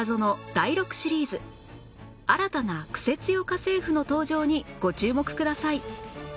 第６シリーズ新たなクセ強家政婦の登場にご注目ください